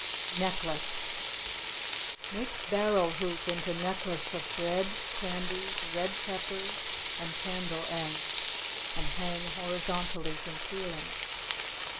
NECKLACE Make barrel hoop into necklace of bread, candies, red peppers and candle ends, and hang horizontally from ceiling.